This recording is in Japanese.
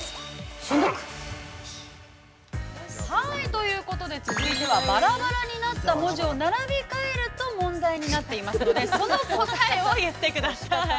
◆ということで、続いてはバラバラになった文字を並べ替えると問題になっていますのでその答えを言ってください。